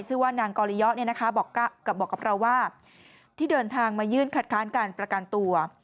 ซึ่งว่านางกอริยะบอกกับเราว่าที่เดินทางมายื่นคัดค้านการประกันตัว